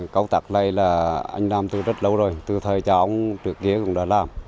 công tạc này là anh làm từ rất lâu rồi từ thời cháu trước kia cũng đã làm